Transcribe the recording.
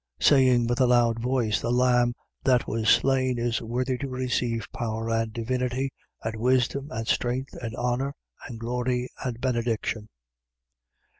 Saying with a loud voice: The Lamb that was slain is worthy to receive power and divinity and wisdom and strength and honour and glory and benediction.